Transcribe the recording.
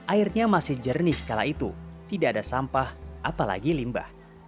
airnya masih jernih kala itu tidak ada sampah apalagi limbah